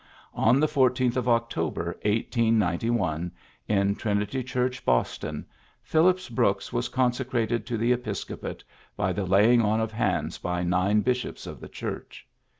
On the 14th of October, 1891, in Trin ity Church, Boston, Phillips Brooks was consecrated to the episcopate by the lay ing on of hands by nine bishops of the Church.